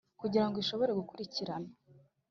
Kugira ngo ishobore gukurikirana